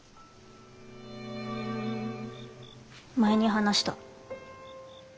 前に話した。